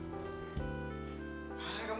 dari yang kto